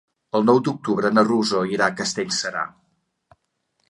El nou d'octubre na Rosó irà a Castellserà.